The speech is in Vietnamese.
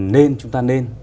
nên chúng ta nên